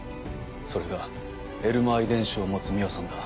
それがエルマー遺伝子を持つ美羽さんだ。